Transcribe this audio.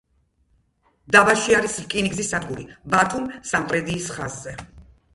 დაბაში არის რკინიგზის სადგური ბათუმ—სამტრედიის ხაზზე.